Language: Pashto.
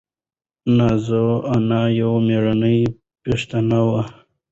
نازو انا یوه مېړنۍ پښتنه وه.